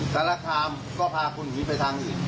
สารคามก็พาคุณผิดไปทางนี้